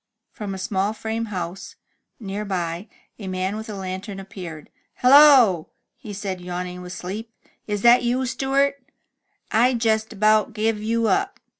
From a small frame house, near by, a man with a lantern appeared. Hello! '' he said, yawning with sleep. " Is that you, Stewart? rd jest about give you up."